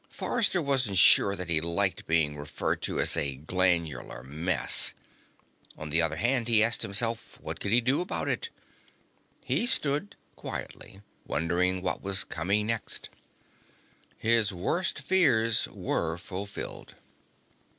Forrester wasn't sure that he liked being referred to as a glandular mess. On the other hand, he asked himself, what could he do about it? He stood quietly, wondering what was coming next. His worst fears were fulfilled.